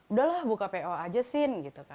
udahlah buka po aja sin